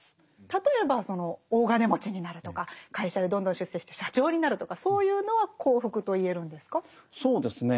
例えばその大金持ちになるとか会社でどんどん出世して社長になるとかそういうのは幸福と言えるんですか？